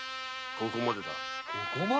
ここまで？